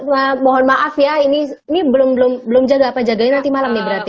nah mohon maaf ya ini belum jaga apa jaganya nanti malam nih berarti